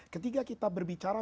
ketika kita berbicara